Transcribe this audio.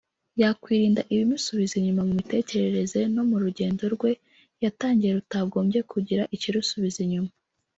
yakwirinda ibimusubiza inyuma mu mitekerereze no mu rugendo rwe yatangiye rutagombye kugira ikirusubiza inyuma